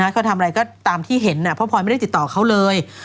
เขาทำอะไรก็ตามที่เห็นเพราะพลอยไม่ได้ติดต่อเขาเลย